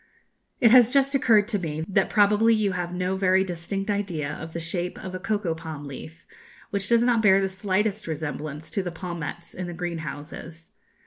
"It has just occurred to me that probably you have no very distinct idea of the shape of a cocoa palm leaf, which does not bear the slightest resemblance to the palmettes in the greenhouses.